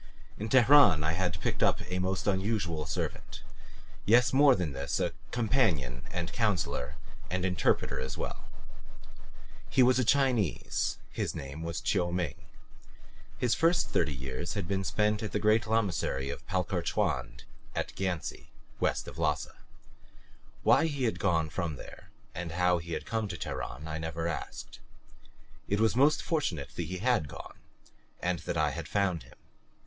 In Teheran I had picked up a most unusual servant; yes, more than this, a companion and counselor and interpreter as well. He was a Chinese; his name Chiu Ming. His first thirty years had been spent at the great Lamasery of Palkhor Choinde at Gyantse, west of Lhasa. Why he had gone from there, how he had come to Teheran, I never asked. It was most fortunate that he had gone, and that I had found him.